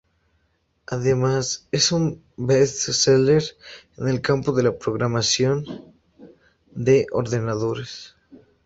Además, es un best-seller en el campo de la programación de ordenadores.